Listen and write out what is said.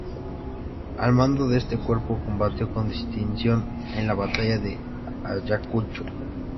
Al mando de este cuerpo combatió con distinción en la batalla de Ayacucho.